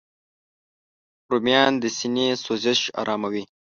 رومیان د سینې سوزش آراموي